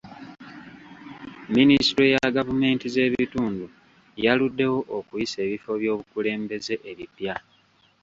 Minisitule ya gavumenti z'ebitundu yaluddewo okuyisa ebifo by'obukulembeze ebipya.